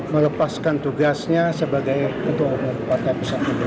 melepaskan tugasnya sebagai ketua umum ppp